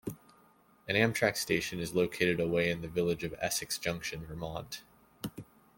An Amtrak station is located away in the village of Essex Junction, Vermont.